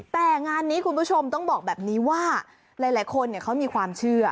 แต่งานนี้คุณผู้ชมต้องบอกแบบนี้ว่าหลายคนเขามีความเชื่อ